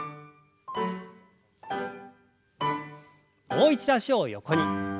もう一度脚を横に。